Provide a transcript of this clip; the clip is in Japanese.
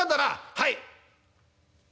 「はい」。